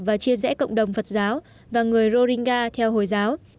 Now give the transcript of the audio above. và chia rẽ cộng đồng phật giáo và người roringa theo hồi giáo